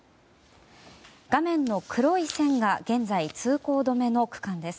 画面の黒い線が現在、通行止めの区間です。